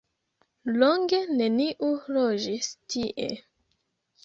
Longe neniu loĝis tie.